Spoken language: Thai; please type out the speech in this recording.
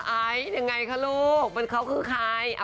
ไอซ์ยังไงคะลูกเขาคือใคร